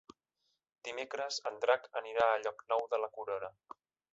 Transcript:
Dimecres en Drac anirà a Llocnou de la Corona.